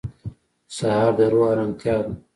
سهار د روح ارامتیا ده.